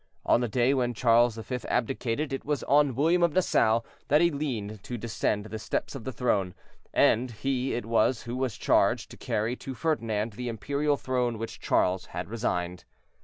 On the day when Charles V. abdicated, it was on William of Nassau that he leaned to descend the steps of the throne, and he it was who was charged to carry to Ferdinand the imperial throne which Charles had resigned.